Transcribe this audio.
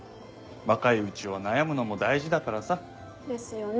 若いうちは悩むのも大事だからさ。ですよね。